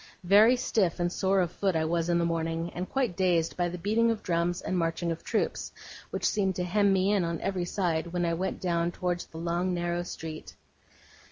Very stiff and sore of foot I was in the morning, and quite dazed by the beating of drums and marching of troops, which seemed to hem me in on every side when I went down towards the long narrow street.